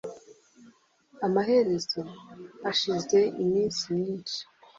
Amaherezo hashize iminsi myinshi